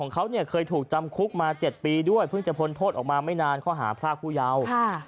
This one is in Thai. เขาเคยถูกจำคุกมา๗ปีด้วยเพิ่งจะพ้นโทษออกมาไม่นานข้อหาพรากผู้เยาว์